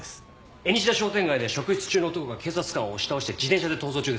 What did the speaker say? エニシダ商店街で職質中の男が警察官を押し倒して自転車で逃走中です。